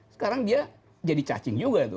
sekarang dia jadi cacing juga tuh